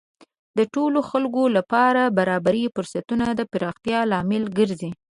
د ټولو خلکو لپاره برابرې فرصتونه د پراختیا لامل ګرځي.